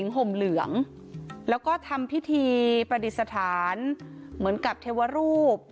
ห่มเหลืองแล้วก็ทำพิธีประดิษฐานเหมือนกับเทวรูป